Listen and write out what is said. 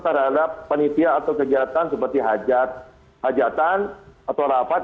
terhadap penitia atau kegiatan seperti hajatan atau rapat